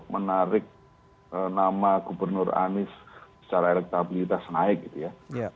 menarik nama gubernur anies secara elektabilitas naik gitu ya